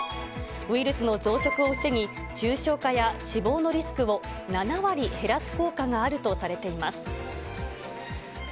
ウイルスの増殖を防ぎ、重症化や死亡のリスクを７割減らす効果があるとされています。